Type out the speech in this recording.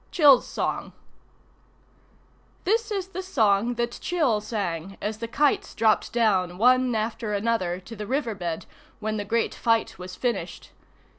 CHIL'S SONG [This is the song that Chil sang as the kites dropped down one after another to the river bed, when the great fight was finished.